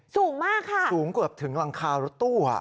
สูงมากค่ะสูงเกือบถึงหลังคารถตู้